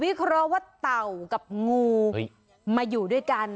เคราะห์ว่าเต่ากับงูมาอยู่ด้วยกัน